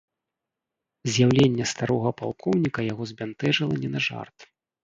З'яўленне старога палкоўніка яго збянтэжыла не на жарт.